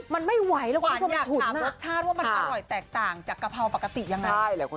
มันไม่ไหวแล้วคุณคิดว่ามันถุนอร่อยแตกต่างจากกะเพราปกติยังไง